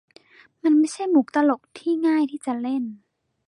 มันไม่ใช่มุกตลกที่ง่ายที่จะเล่น